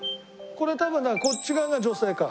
これ多分だからこっち側が女性か。